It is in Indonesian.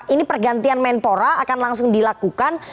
ini pergantian menpora akan langsung dilakukan